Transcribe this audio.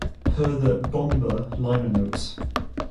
Per the "Bomber" liner notes.